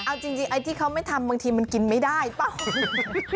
เอาจริงไอ้ที่เขาไม่ทำบางทีมันกินไม่ได้เปล่า